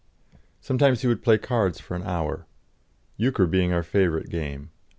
Sometimes he would play cards for an hour, euchre being our favourite game.